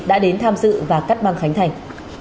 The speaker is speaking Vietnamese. đã đến tham dự và cắt băng khánh thành